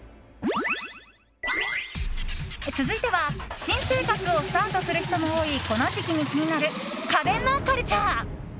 続いては新生活をスタートする人も多いこの時期に気になる家電のカルチャー。